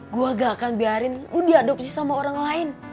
gue gak akan biarin lu diadopsi sama orang lain